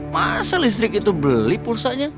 masa listrik itu beli pulsanya